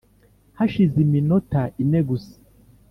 hashize iminota ine gusa